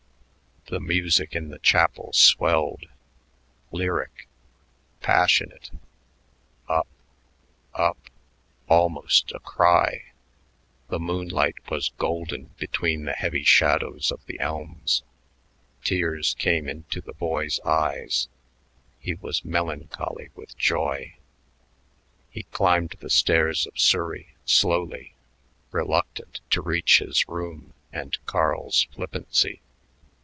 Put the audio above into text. The music in the chapel swelled, lyric, passionate up! up! almost a cry. The moonlight was golden between the heavy shadows of the elms. Tears came into the boy's eyes; he was melancholy with joy. He climbed the stairs of Surrey slowly, reluctant to reach his room and Carl's flippancy.